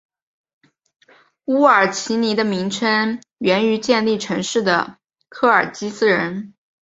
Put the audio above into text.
乌尔齐尼的名称源于建立城市的科尔基斯人。